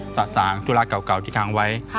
สะสางเหุตุลักษ์เก่าที่คางไว้ค่ะ